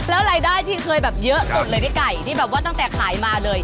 แล้วรายได้ที่เคยแบบเยอะสุดเลยพี่ไก่ที่แบบว่าตั้งแต่ขายมาเลย